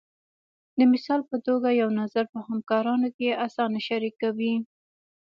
د مثال په توګه یو نظر په همکارانو کې اسانه شریکوئ.